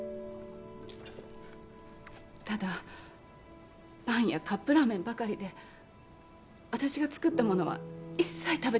ただパンやカップラーメンばかりで私が作ったものは一切食べてくれなくて。